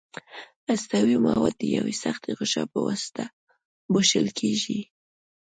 هستوي مواد د یوې سختې غشا په واسطه پوښل کیږي.